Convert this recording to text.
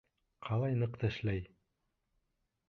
Ҡалай ныҡ тешләй.